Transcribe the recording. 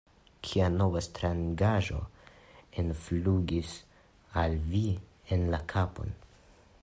Kia nova strangaĵo enflugis al vi en la kapon?